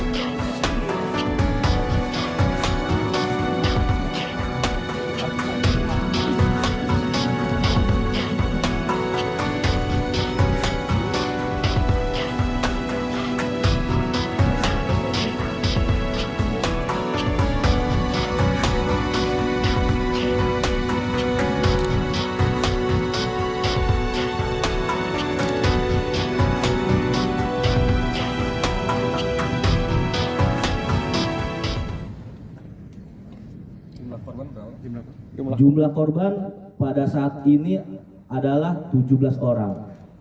jumlah korban pada saat ini adalah tujuh belas orang